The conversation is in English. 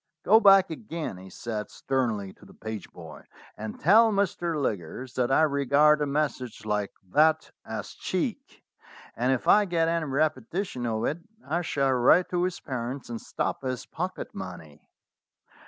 "Go back again," he said sternly to the page boy, "and tell Mr. Liggers that I regard a message like that as cheek, and if I get any repetition of it I shall write to his parents and stop his pocket money."